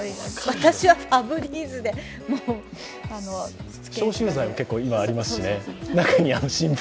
私は、ファブリーズで消臭剤も今、結構ありますしね。